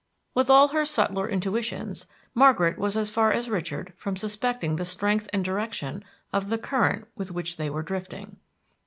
With all her subtler intuitions, Margaret was as far as Richard from suspecting the strength and direction of the current with which they were drifting.